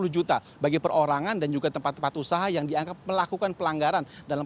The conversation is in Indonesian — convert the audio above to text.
sepuluh juta bagi perorangan dan juga tempat tempat usaha yang dianggap melakukan pelanggaran dalam